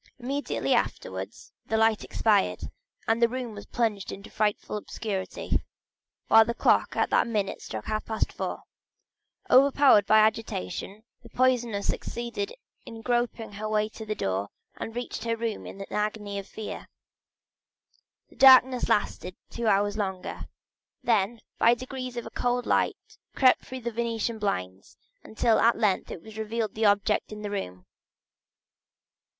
Immediately afterwards the light expired, and the room was plunged in frightful obscurity, while the clock at that minute struck half past four. Overpowered with agitation, the poisoner succeeded in groping her way to the door, and reached her room in an agony of fear. The darkness lasted two hours longer; then by degrees a cold light crept through the Venetian blinds, until at length it revealed the objects in the room.